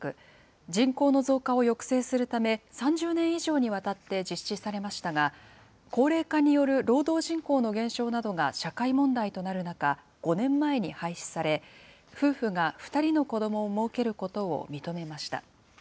人口の増加を抑制するため、３０年以上にわたって実施されましたが、高齢化による労働人口の減少などが社会問題となる中、５年前に廃止され、夫婦が２人の子どもをもうけることを認めました。